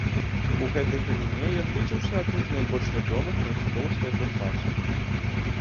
У гэтай галіне ён лічыўся адным з найбольш вядомых майстроў свайго часу.